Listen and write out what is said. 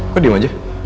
kok diam aja